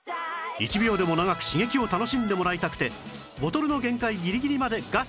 「１秒でも長く刺激を楽しんでもらいたくてボトルの限界ギリッギリまでガス封入！